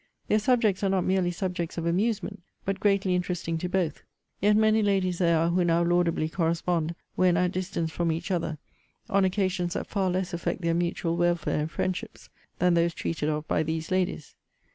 Their subjects are not merely subjects of amusement; but greatly interesting to both: yet many ladies there are who now laudably correspond, when at distance from each other, on occasions that far less affect their mutual welfare and friendships, than those treated of by these ladies.